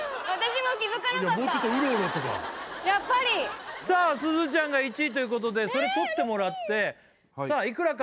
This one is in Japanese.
もうちょっとウロウロとかやっぱりすずちゃんが１位ということでそれ取ってもらってさあいくらか？